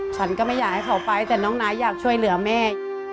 ฉันก็ไม่อยากให้เขาไปแต่น้องนายอยากช่วยเหลือแม่